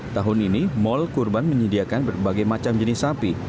tahun ini mall kurban menyediakan berbagai macam jenis sapi